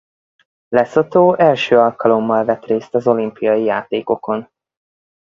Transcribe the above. Lesotho első alkalommal vett részt az olimpiai játékokon.